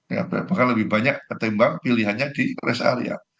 ya bahkan lebih banyak ketimbang pilihannya di rest area